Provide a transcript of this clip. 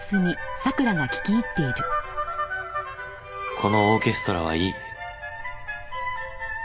このオーケストラはいい！